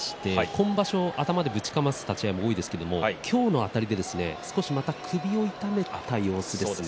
今場所は頭でぶちかます立ち合いが多いですが今日の立ち合いで少し首を痛めたようですね。